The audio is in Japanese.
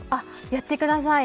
やってください。